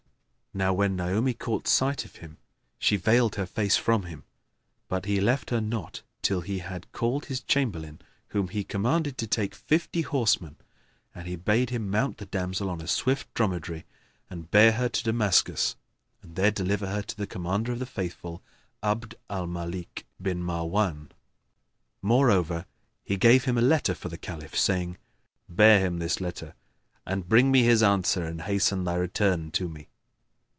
Now when Naomi caught sight of him she veiled her face from him; but he left her not till he had called his Chamberlain, whom he commanded to take fifty horsemen; and he bade him mount the damsel on a swift dromedary, and bear her to Damascus and there deliver her to the Commander of the Faithful, Abd al Malik bin Marwan. Moreover, he gave him a letter for the Caliph, saying, "Bear him this letter and bring me his answer and hasten thy return to me."